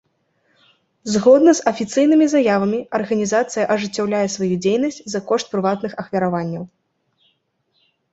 Згодна з афіцыйнымі заявамі, арганізацыя ажыццяўляе сваю дзейнасць за кошт прыватных ахвяраванняў.